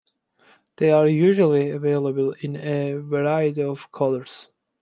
They are usually available in a variety of colors.